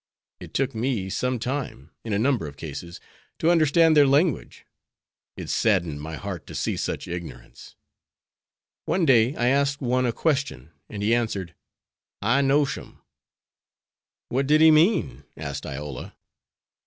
It took me some time, in a number of cases, to understand their language. It saddened my heart to see such ignorance. One day I asked one a question, and he answered, "I no shum'." "What did he mean?" asked Iola.